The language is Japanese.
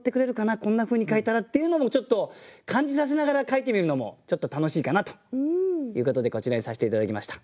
こんなふうに書いたらっていうのもちょっと感じさせながら書いてみるのもちょっと楽しいかなということでこちらにさせて頂きました。